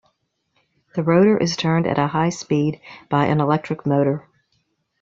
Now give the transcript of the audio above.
The rotor is turned at a high speed by an electric motor.